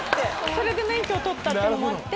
それで免許を取ったのもあって。